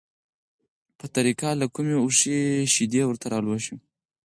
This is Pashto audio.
په طریقه له کومې اوښې شیدې ورته راولوشه،